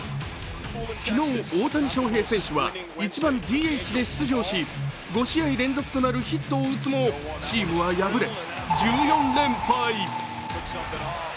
昨日、大谷翔平選手は１番・ＤＨで出場し５試合連続となるヒットを打つもチームは敗れ１４連敗。